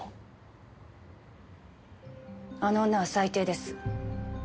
あの女は最低です。